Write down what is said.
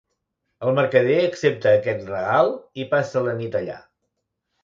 El mercader accepta aquest regal i passa la nit allà.